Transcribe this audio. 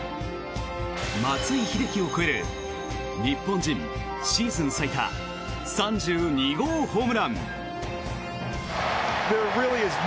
松井秀喜を超える日本人シーズン最多３２号ホームラン。